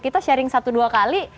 kita sharing satu dua kali